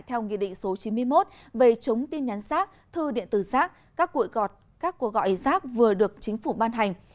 theo nghị định số chín mươi một về chống tin nhắn rác thư điện tử rác các cuộc gọi rác vừa được chính phủ ban hành